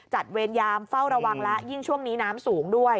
เวรยามเฝ้าระวังและยิ่งช่วงนี้น้ำสูงด้วย